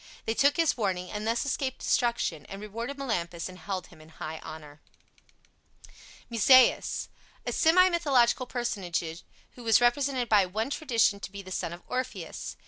They took his warning, and thus escaped destruction, and rewarded Melampus and held him in high honor. MUSAEUS A semi mythological personage who was represented by one tradition to be the son of Orpheus.